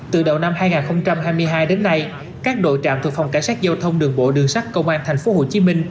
từ đầu năm hai nghìn hai mươi hai đến nay các đội trạm thuộc phòng cảnh sát giao thông đường bộ đường sắt công an tp hcm